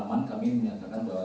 kami menyatakan bahwa ya